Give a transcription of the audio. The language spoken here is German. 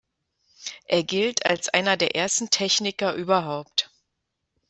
Er gilt als einer der ersten Techniker überhaupt.